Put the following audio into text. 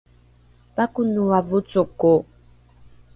pakonoa vocoko!